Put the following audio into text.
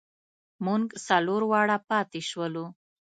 مونږ څلور واړه پاتې شولو.